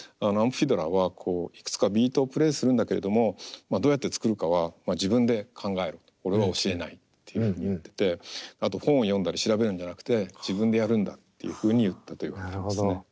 アンプ・フィドラーはいくつかビートをプレーするんだけれどもどうやって作るかは自分で考えろと俺は教えないっていうふうに言っててあと本を読んだり調べるんじゃなくて自分でやるんだっていうふうに言ったといわれてますね。